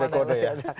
penuh kode kode ya